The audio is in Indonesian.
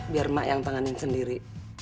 biar mak yang tanganin sendiri